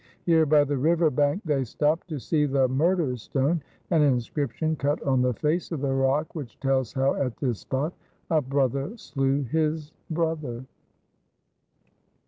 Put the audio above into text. Here by the river bank they stopped to see the murder stone, an inscription cut on the face of the rock, which tells how at this spot a brother slew his brother.